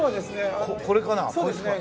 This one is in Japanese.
これかな？